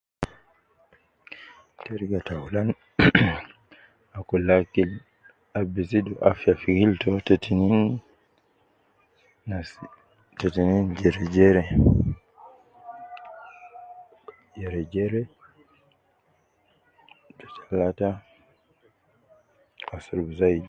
Teriga taulan mh mh,akul akil ab bi zidu afiya fi gildu to, te tinin nas, te tinin jere jere, jere jere, te talata asurub zai